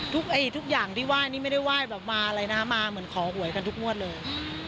ทุกอย่างที่ไหว้นี่ไม่ได้ไหว้แบบมาอะไรนะมาเหมือนขอหวยกันทุกงวดเลย